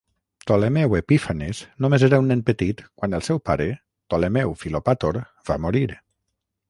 Ptolemeu Epífanes només era un nen petit quan el seu pare, Ptolemeu Filopàtor va morir.